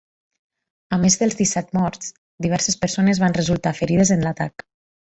A més dels disset morts, diverses persones van resultar ferides en l’atac.